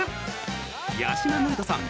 八嶋智人さん